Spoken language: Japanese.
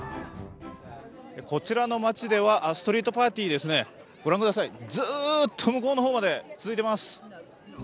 こちらの町ではストリートパーティーですね、御覧ください、ずーっと向こうの方まで続いています。